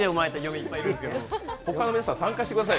他の皆さん参加してください。